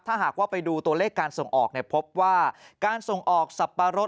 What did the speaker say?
ถ้าหากว่าไปดูตัวเลขการส่งออกพบว่าการส่งออกสับปะรด